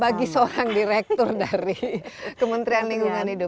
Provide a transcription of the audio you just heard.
bagi seorang direktur dari kementerian lingkungan hidup